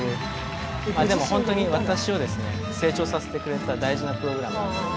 でも本当に私を成長させてくれた大事なプログラムです。